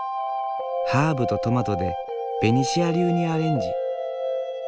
ハーブとトマトでベニシア流にアレンジ。